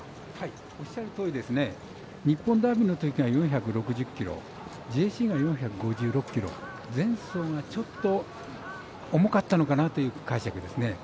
おっしゃるとおり日本ダービーのときが１６４ｋｇ前走がちょっと重かったのかなという解釈です。